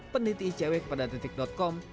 pendidik icw pada detik com